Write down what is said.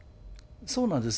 そうなんです。